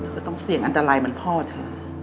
ก็ต้องเสี่ยงอันตรายเหมือนพ่อเธอ